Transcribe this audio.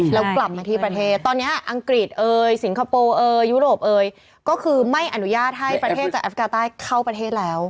แล้วกลับมาที่ประเทศตอนนี้อาหรษอยังไม่อนุญาตให้ประเทศจากอาฟกาใต้เข้าประเทศแล้ว